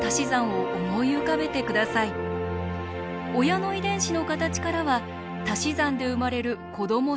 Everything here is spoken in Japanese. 親の遺伝子の形からはたし算で生まれる子ども